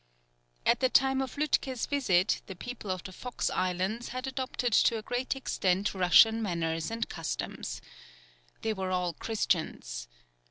At the time of Lütke's visit the people of the Fox Islands had adopted to a great extent Russian manners and costumes. They were all Christians.